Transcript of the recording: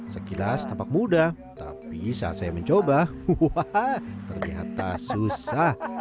sekilas tampak mudah tapi saat saya mencoba waaah ternyata susah